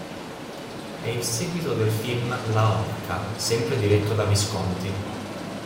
È il seguito del film "La orca", sempre diretto da Visconti.